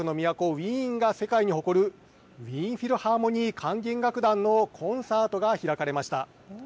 ウィーンが世界に誇るウィーンフィルハーモニー管弦楽団のコンサートが開かれました。